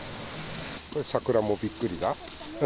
桜もびっくりだ。